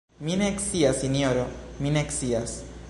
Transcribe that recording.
Mi ne scias, sinjoro, mi ne scias!